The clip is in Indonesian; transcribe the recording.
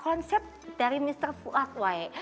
konsep dari mr fuad woy